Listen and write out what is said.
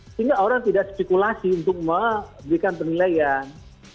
sehingga orang tidak spekulasi untuk memberikan penilaian